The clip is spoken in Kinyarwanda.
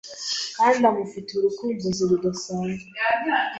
kandi amufitiye urukumbuzi rudasanzwe.